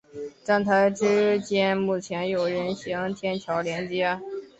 站台之间目前有人行天桥连接。